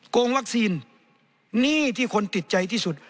โกงวัคซีนหนี้ที่คนติดใจที่สุด